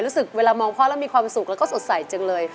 รู้สึกเวลามองพ่อแล้วมีความสุขแล้วก็สดใสจังเลย